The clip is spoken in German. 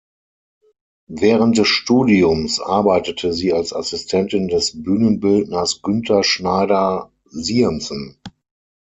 Während des Studiums arbeitete sie als Assistentin des Bühnenbildners Günther Schneider-Siemssen.